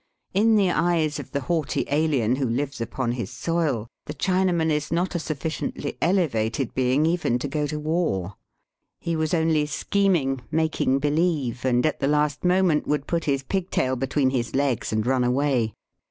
In the eyes of the haughty alien who lives upon his soil, the Chinaman is not a suflSciently elevated being even to go to war^ He was only scheming, making believe, and^ at the last moment, would put his pigtail be tween his legs and run away.